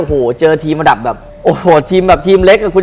โอ้โหเจอทีมระดับแบบโอ้โหทีมแบบทีมเล็กอ่ะคุณ